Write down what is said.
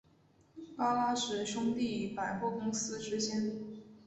巴拉什兄弟百货公司之间。